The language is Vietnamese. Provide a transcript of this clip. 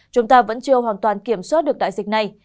chúng ta vẫn chưa hoàn toàn kiểm soát được đại dịch này